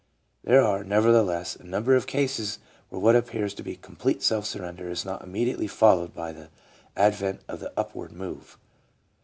There are, nevertheless, a number of cases where what appears to be complete self surrender is not immediately followed by the advent of the upward move.